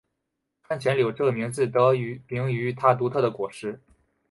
串钱柳这名字得名于它独特的果实。